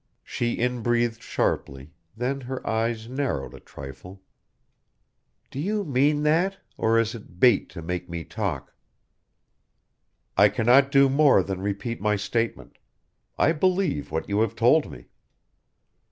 She inbreathed sharply, then her eyes narrowed a trifle. "Do you mean that or is it bait to make me talk?" "I can not do more than repeat my statement. I believe what you have told me."